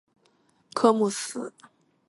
科目四